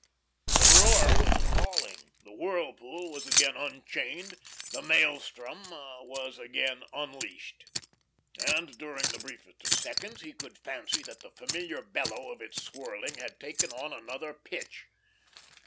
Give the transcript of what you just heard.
The roar was appalling, the whirlpool was again unchained, the maelstrom was again unleashed. And during the briefest of seconds he could fancy that the familiar bellow of its swirling, had taken on another pitch.